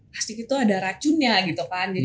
pasti itu ada racunnya gitu kan jadi